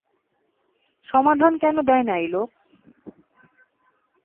সমাধান কেন দেয় না এই লোক।